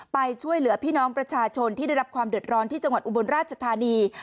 ไปช่วยเหลือพี่น้องประชาชนที่ได้รับความเดือดร้อนที่จังหวัดอุบลราชธานี